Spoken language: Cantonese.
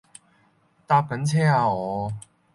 搭緊車呀我